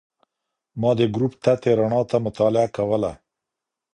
ما د ګروپ تتې رڼا ته مطالعه کوله.